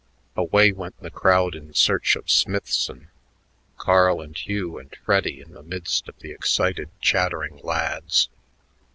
Away went the crowd in search of Smithson, Carl and Hugh and Freddy in the midst of the excited, chattering lads.